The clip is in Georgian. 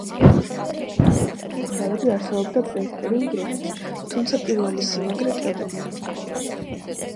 ტერიტორიაზე ნამოსახლარები არსებობდა პრეისტორიულ დროშიც, თუმცა პირველი სიმაგრე კელტებმა.